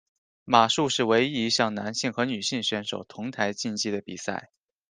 马术则是唯一一项男性和女性选手同台竞技的比赛。